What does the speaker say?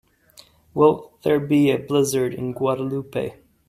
Will there be a blizzard in Guadeloupe?